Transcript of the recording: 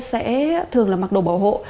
sẽ thường là mặc đồ bảo hộ